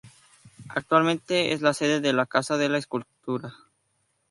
Actualmente es la sede de la casa de la cultura.